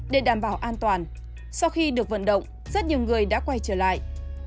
để đảm bảo an toàn sau khi được vận động rất nhiều người đã quay trở lại